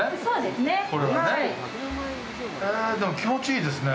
でも、気持ちいいですね。